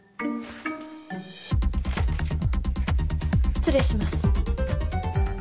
失礼します。